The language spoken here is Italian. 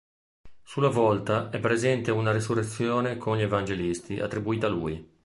Sulla volta, è presente una "Risurrezione con gli Evangelisti" attribuita a lui.